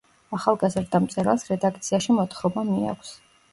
ახალგაზრდა მწერალს რედაქციაში მოთხრობა მიაქვს.